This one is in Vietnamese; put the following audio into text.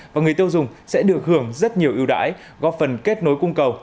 và người tiêu dùng sẽ được hưởng rất nhiều ưu đãi góp phần kết nối cung cầu